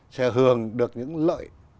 sẽ hưởng được những lợi